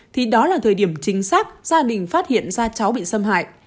thì đó là thời điểm chính xác gia đình phát hiện ra cháu bị xâm hại